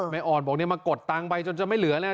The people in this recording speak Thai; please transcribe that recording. อ่อนบอกมากดตังค์ไปจนจะไม่เหลือแล้ว